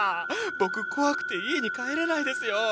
僕怖くて家に帰れないですよ。